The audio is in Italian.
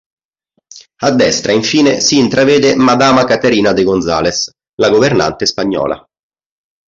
A destra, infine, si intravede Madama Caterina de Gonzales, la governante spagnola.